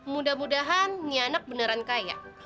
mudah mudahan ini anak beneran kaya